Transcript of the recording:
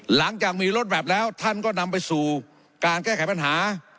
หลังจากมีรถแบบแล้วท่านก็นำไปสู่การแก้ไขปัญหา